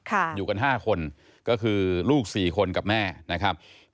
อยู่กันห้าคนก็คือลูกสี่คนกับแม่นะครับ